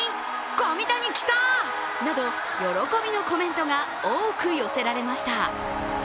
「神谷キター」など喜びのコメントが多く寄せられました。